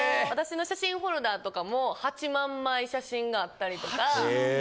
私の写真ホルダーとかも８万枚写真があったりとか。